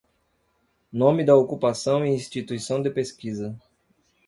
Nome da ocupação e instituição de pesquisa